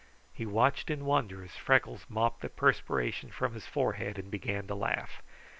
He watched in wonder as Freckles mopped the perspiration from his forehead and began to laugh.